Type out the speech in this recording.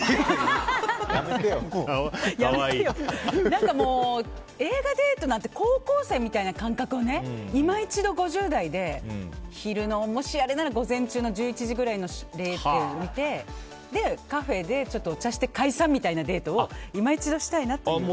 何かもう、映画デートなんて高校生みたいな感覚を今一度、５０代で昼の午前中の１１時くらいのを見てカフェでお茶して解散みたいなデートを今一度したいなと。